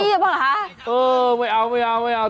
ผีบ้าจี้หรือเปล่าหรือหรือไม่เอา